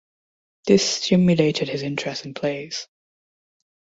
This stimulated his interest in plays.